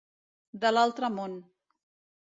De l'altre món.